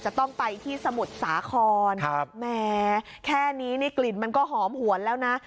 จะต้องไปที่สมุทรสาครแหมแค่นี้นี่กลิ่นมันก็หอมหวนแล้วนะ